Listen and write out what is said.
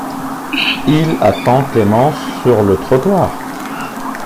Il attend Clémence sur le trottoir.